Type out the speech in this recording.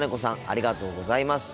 ありがとうございます。